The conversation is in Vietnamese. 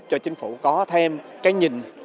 để cho chính phủ có thêm cái nhìn